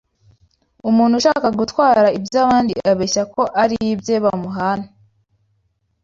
umuntu ushaka gutwara iby’abandi abeshya ko ari ibye bamuhane